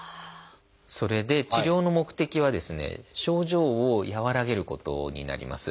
それで治療の目的はですね症状を和らげることになります。